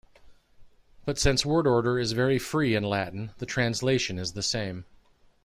But since word order is very free in Latin, the translation is the same.